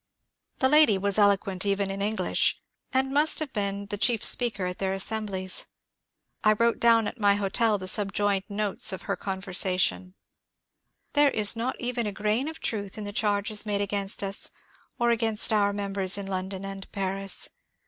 The lady was eloquent even in English, and must have been the chief speaker at their assemblies. I wrote down at my hotel the subjoined notes of her conversation :— There is not even a grain of truth in the charges made against us, or against our members in London and Paris.